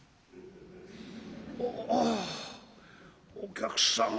「ああお客さん